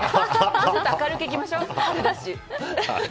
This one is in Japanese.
もっと明るくいきましょう。